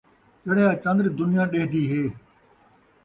چڑھیا چن٘در دنیا ݙیہدی ہے